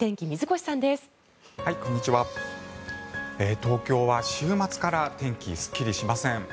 東京は週末から天気がすっきりしません。